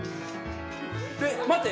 えっ待って！